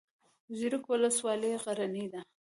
زیروک ولسوالۍ غرنۍ ده؟